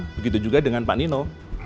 begitu juga dengan pak nino